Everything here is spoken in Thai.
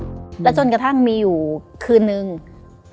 มีความรู้สึกว่าว่ามีความรู้สึกว่ามีความรู้สึกว่า